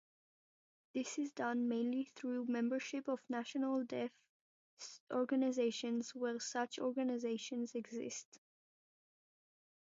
This is done mainly through membership of national deaf organisations, where such organisations exist.